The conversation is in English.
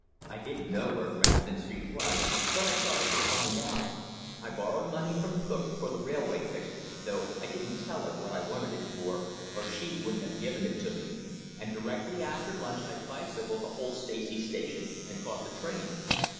I didn't know where Grafton Street was, but I thought I could find out I borrowed money from cook for the railway ticket, though I didn't tell her what I wanted it for, or she wouldn't have given it to me, and directly after lunch I bicycled to Holt Stacey station and caught the train.